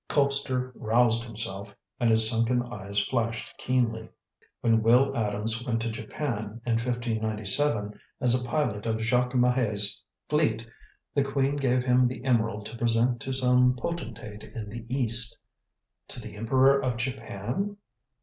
Colpster roused himself and his sunken eyes flashed keenly. "When Will Adams went to Japan, in 1597, as a pilot of Jacques Mahay's fleet, the Queen gave him the emerald to present to some potentate in the East." "To the Emperor of Japan?"